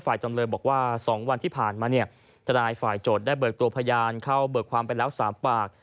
จำเลยบอกว่า๒วันที่ผ่านมาเนี่ยทนายฝ่ายโจทย์ได้เบิกตัวพยานเข้าเบิกความไปแล้ว๓ปาก